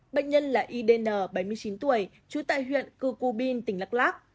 bệnh nhân là idn bảy mươi chín tuổi trú tại huyện cư cù binh tỉnh lạc lạc